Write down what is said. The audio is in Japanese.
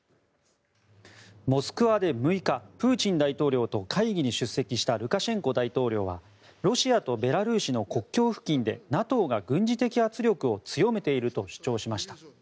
モスクワで６日プーチン大統領と会議に出席したルカシェンコ大統領はロシアとベラルーシの国境付近でＮＡＴＯが軍事的圧力を強めていると主張しました。